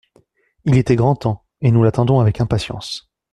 Il était grand temps, et nous l’attendons avec impatience.